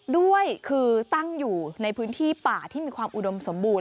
ด้วยคือตั้งอยู่ในพื้นที่ป่าที่มีความอุดมสมบูรณ